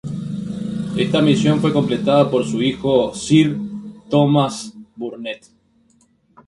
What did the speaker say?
Esta misión fue completada por su hijo, "sir" Thomas Burnett.